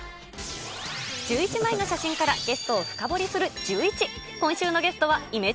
１１枚の写真からゲストを深掘りするジューイチ。